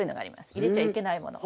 入れちゃいけないもの。